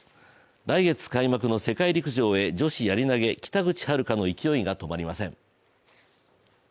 来月開幕の世界陸上へ女子やり投げ、北口榛花の勢いが止まりません。